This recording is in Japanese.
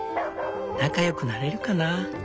仲良くなれるかな？